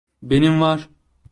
Benim var.